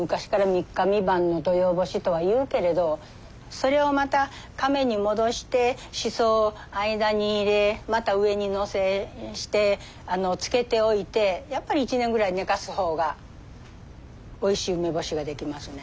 それをまたカメに戻してしそを間に入れまた上に載せして漬けておいてやっぱり１年ぐらい寝かす方がおいしい梅干しができますね。